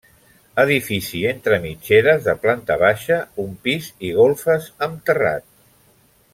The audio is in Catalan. Edifici entre mitgeres de planta baixa, un pis i golfes amb terrat.